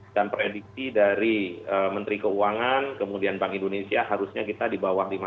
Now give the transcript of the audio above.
dan prediksi dari menteri keuangan kemudian bank indonesia harusnya kita di bawah lima